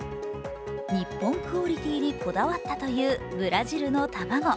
日本クオリティーにこだわったというブラジルの卵。